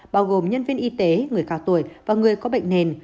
bao gồm nhân viên y tế người cao tuổi và người có bệnh nền